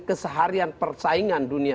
keseharian persaingan dunia